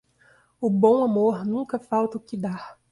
O bom amor nunca falta o que dar.